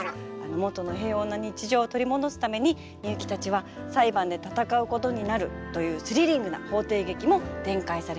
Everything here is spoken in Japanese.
元の平穏な日常を取り戻すためにミユキたちは裁判で闘うことになるというスリリングな法廷劇も展開されます。